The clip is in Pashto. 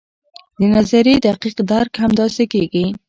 د نظریې دقیق درک همداسې کیږي.